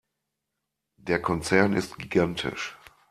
Der Konzern ist gigantisch.